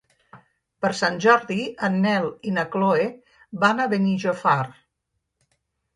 Per Sant Jordi en Nel i na Chloé van a Benijòfar.